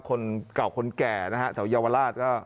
คนเก่าคนแก่นะฮะแถวเยาวราชก็